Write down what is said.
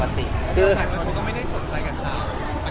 เขาก็ไม่ได้สนใจกับสาว